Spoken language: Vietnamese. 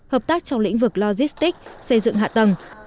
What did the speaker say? hợp tác trong lĩnh vực logistics xây dựng hạ tầng